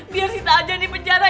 biar sita aja di penjara